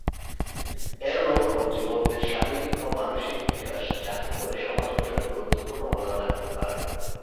এর লক্ষ্য যুবকদের শারীরিক ও মানসিক বিকাশ যাতে করে তারা সমাজ গঠনে গুরুত্বপূর্ণ অবদান রাখতে পারে।